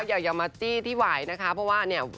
อย่ามาจี้ที่ไหวนะคะเพราะว่าเนี่ย